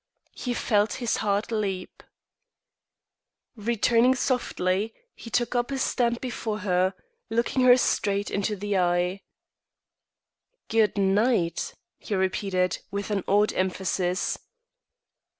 He felt his heart leap. Returning softly, he took up his stand before her, looking her straight in the eye. "Good night," he repeated, with an odd emphasis.